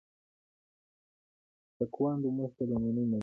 تکواندو موږ ته لومړنی مډال راوړ.